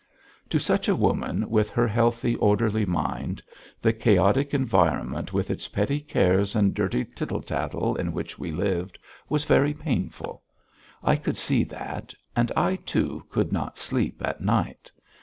To such a woman, with her healthy, orderly mind, the chaotic environment with its petty cares and dirty tittle tattle, in which we lived, was very painful. I could see that, and I, too, could not sleep at night.